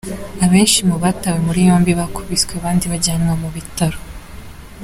Abenshi mu batawe muri yombi bakubiswe bandi bajyanwa mu bitaro.